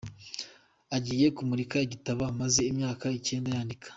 Agiye kumurika igitabo amaze imyaka icyenda yandika